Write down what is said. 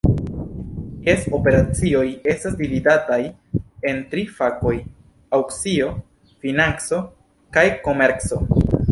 Ties operacioj estas dividataj en tri fakoj: Aŭkcio, Financo, kaj Komerco.